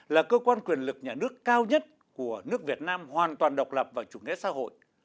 là cơ quan quyền lực nhà nước cao nhất của nước việt nam hoàn toàn độc lập và chủ nghĩa xã hội